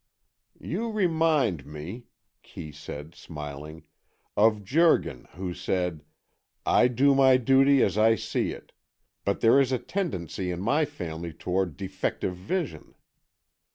"You remind me," Kee said, smiling, "of Jurgen, who said, 'I do my duty as I see it. But there is a tendency in my family toward defective vision.